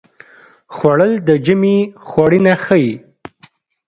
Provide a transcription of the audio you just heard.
خوړل د ژمي خوړینه ښيي